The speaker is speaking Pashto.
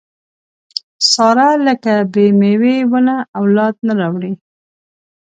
ساره لکه بې مېوې ونه اولاد نه راوړي.